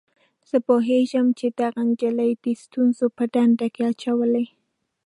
زه پوهیږم چي دغه نجلۍ تا د ستونزو په ډنډ کي اچولی.